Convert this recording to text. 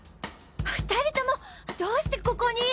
２人ともどうしてここに？